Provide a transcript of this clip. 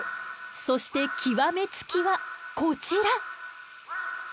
そして極め付きはこちら！